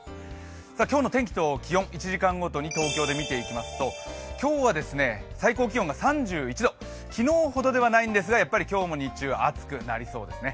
今日の天気と気温、１時間ごとに東京で見ていきますと今日は最高気温が３１度、昨日ほどではないんですがやっぱり今日も日中、暑くなりそうですね。